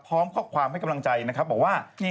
พร้อมข้อความให้กำลังใจนะครับบอกว่า